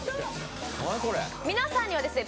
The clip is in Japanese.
これ皆さんにはですね